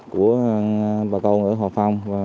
của bà con ở hòa phong